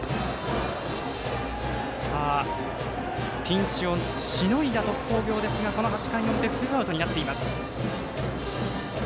ピンチをしのいだ鳥栖工業ですがこの８回の表ツーアウトになっています。